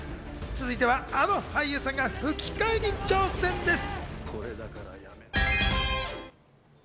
続いては、あの俳優さんが吹き替えに挑戦です。